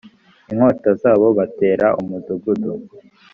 inkota zabo batera umudugudu